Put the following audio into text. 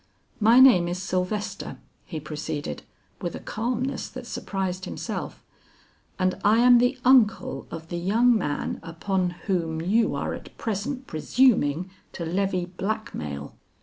"My name is Sylvester," he proceeded, with a calmness that surprised himself; "and I am the uncle of the young man upon whom you are at present presuming to levy blackmail."